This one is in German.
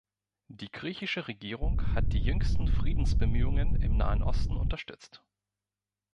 Die griechische Regierung hat die jüngsten Friedensbemühungen im Nahen Osten unterstützt.